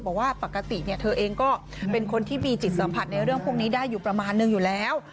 บอกว่าปกติเธอเองก็เป็นคนที่มีจิตสัมผัสในเรื่องพวกนี้ได้อยู่ประมาณนึงอยู่แล้ว